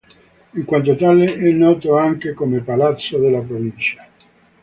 In quanto tale, è noto anche come Palazzo della Provincia.